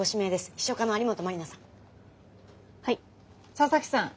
佐々木さん